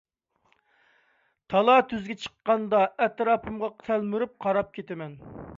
تالا-تۈزگە چىققاندا ئەتراپىمغا تەلمۈرۈپ قاراپ كىتىمەن.